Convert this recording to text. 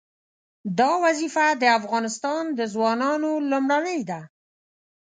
دا وظیفه د افغانستان د ځوانانو لومړنۍ ده.